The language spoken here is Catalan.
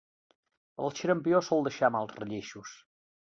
El xarampió sol deixar mals relleixos.